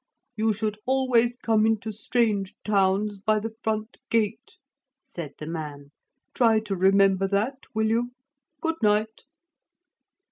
'You should always come into strange towns by the front gate,' said the man; 'try to remember that, will you? Good night.'